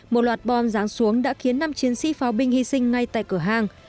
một loạt bom ráng xuống đã khiến năm chiến sĩ pháo binh hy sinh ngay tại cửa hàng